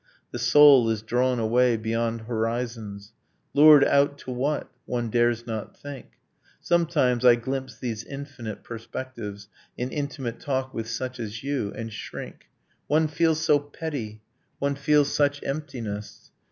The soul is drawn away, beyond horizons. Lured out to what? One dares not think. Sometimes, I glimpse these infinite perspectives In intimate talk (with such as you) and shrink ... 'One feels so petty! One feels such emptiness!